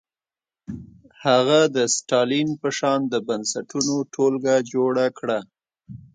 هغه د ستالین په شان د بنسټونو ټولګه جوړه کړه.